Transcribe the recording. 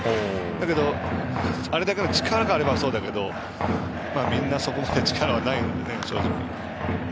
だけど、あれだけの力があればそうだけどみんな、そこまで力はないので。